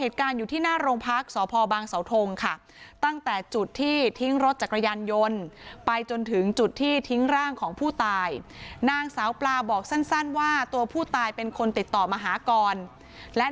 ที่ทิ้งร่างของผู้ตายนางสาวปลาบอกสั้นว่าตัวผู้ตายเป็นคนติดต่อมหากรและ